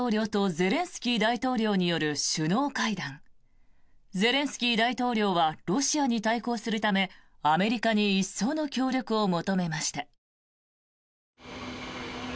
ゼレンスキー大統領はロシアに対抗するためアメリカに一層の協力を求めました。